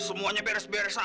semuanya beres beres aja kok